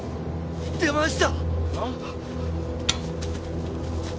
出ました！